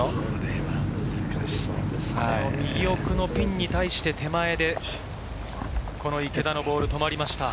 右奥のピンに対して手前で池田のボールが止まりました。